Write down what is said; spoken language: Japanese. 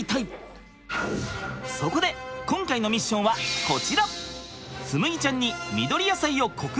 そこで今回のミッションはこちら！